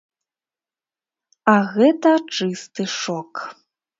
А гэта чысты шок.